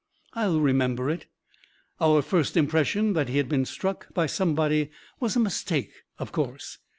"I'll remember it. Our first impression that he had been struck by somebody was a mistake, of course.